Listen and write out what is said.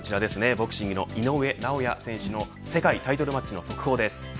ボクシングの井上尚弥選手の世界タイトルマッチの速報です。